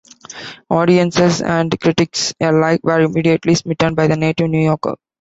Audiences and critics alike were immediately smitten by the native New Yorker.